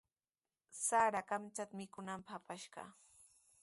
Sara kamchatami mikunanpaq apashqa.